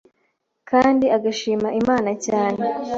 kandi agashima Imana cyane